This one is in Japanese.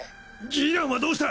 義爛はどうした！？